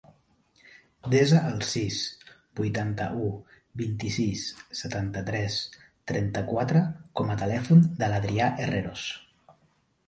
Desa el sis, vuitanta-u, vint-i-sis, setanta-tres, trenta-quatre com a telèfon de l'Adrià Herreros.